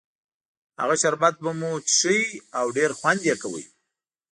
هغه شربت به مو څښه او ډېر خوند یې کاوه.